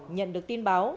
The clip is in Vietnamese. nhận được tin báo